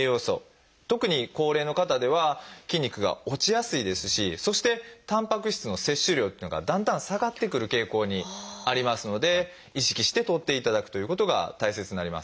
特に高齢の方では筋肉が落ちやすいですしそしてたんぱく質の摂取量というのがだんだん下がってくる傾向にありますので意識してとっていただくということが大切になります。